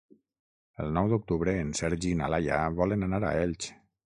El nou d'octubre en Sergi i na Laia volen anar a Elx.